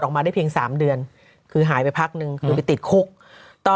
ออกมาได้เพียงสามเดือนคือหายไปพักนึงคือไปติดคุกตอน